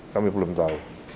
kami belum tahu